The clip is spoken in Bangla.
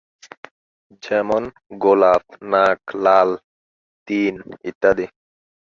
যেমনঃ গোলাপ, নাক, লাল, তিন, ইত্যাদি।